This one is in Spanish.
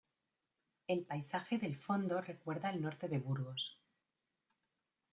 El paisaje del fondo recuerda el norte de Burgos.